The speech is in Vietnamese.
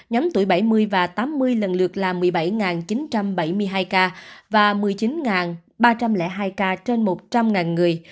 nhóm tuổi bảy mươi và tám mươi lần lượt là một mươi bảy chín trăm bảy mươi hai ca và một mươi chín ba trăm linh hai ca trên một trăm linh người